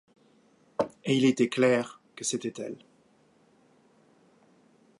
Et il était clair que c’était elle.